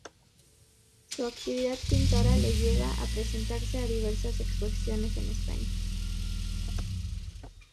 Su actividad pintora le lleva a presentarse a diversas exposiciones en España.